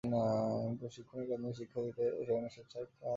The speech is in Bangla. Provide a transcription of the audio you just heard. আমি প্রশিক্ষণ একাডেমিতে শিক্ষা দিতে সেখানে স্বেচ্ছায় কাজ করব।